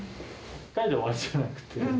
１回で終わりじゃなくて。